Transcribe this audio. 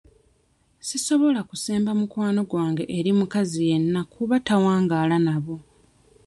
Sisobola kusemba mukwano gwange eri mukazi yenna kuba tawangaala nabo.